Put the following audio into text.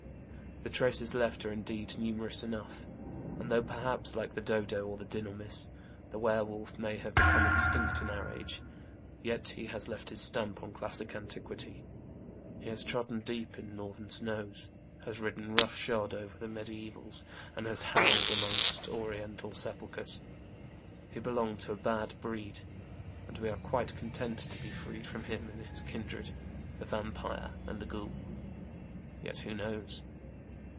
The traces left are indeed numerous enough, and though perhaps like the dodo or the dinormis, the were wolf may have become extinct in our age, yet he has left his stamp on classic antiquity, he has trodden deep in Northern snows, has ridden rough shod over the medisevals, and has howled amongst Oriental sepulchres. He belonged to a bad breed, and we are quite content to be freed from him and his kindred, the vampire and the ghoul. Yet who knows